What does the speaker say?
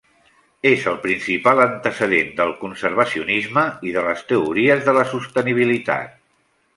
És el principal antecedent del conservacionisme i de les teories de la sostenibilitat.